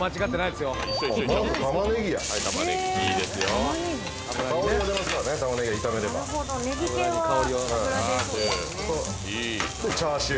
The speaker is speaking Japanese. でチャーシュー。